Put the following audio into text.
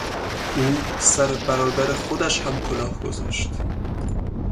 او سر برادر خودش هم کلاه گذاشت.